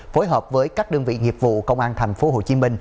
phối hợp với các đơn vị nghiệp vụ công an tp hcm